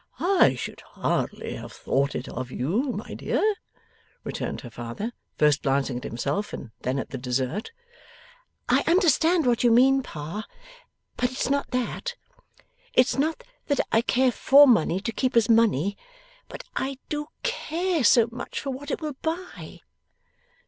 'I should hardly have thought it of you, my dear,' returned her father, first glancing at himself; and then at the dessert. 'I understand what you mean, Pa, but it's not that. It's not that I care for money to keep as money, but I do care so much for what it will buy!